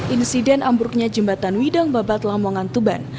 insiden ambruknya jembatan widang babat lamongan tuban